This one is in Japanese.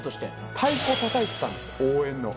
太鼓たたいてたんです応援の。